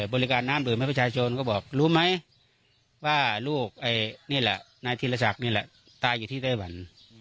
บริการน้ำดื่มให้ประชาชนก็บอกรู้ไหมว่าลูกนี่แหละนายธีรศักดิ์นี่แหละตายอยู่ที่ไต้หวัน